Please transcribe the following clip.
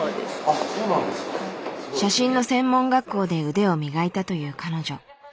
写真の専門学校で腕を磨いたという彼女。